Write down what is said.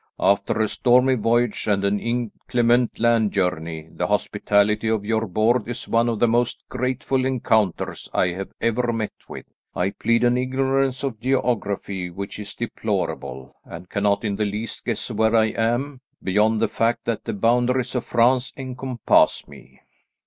After a stormy voyage and an inclement land journey, the hospitality of your board is one of the most grateful encounters I have ever met with. I plead an ignorance of geography which is deplorable; and cannot in the least guess where I am, beyond the fact that the boundaries of France encompass me."